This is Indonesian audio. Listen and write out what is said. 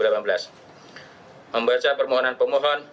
pembaca permohonan pemohon